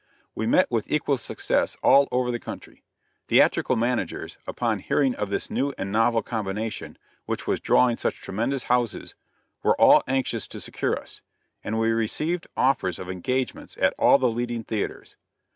We met with equal success all over the country. Theatrical managers, upon hearing of this new and novel combination; which was drawing such tremendous houses, were all anxious to secure us; and we received offers of engagements at all the leading theaters.